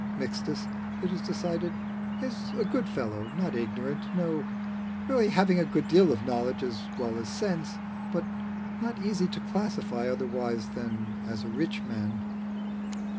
Mixtus, it is decided, is a good fellow, not ignorant no, really having a good deal of knowledge as well as sense, but not easy to classify otherwise than as a rich man.